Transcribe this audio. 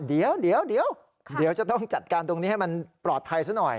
เดี๋ยวจะต้องจัดการตรงนี้ให้มันปลอดภัยซะหน่อย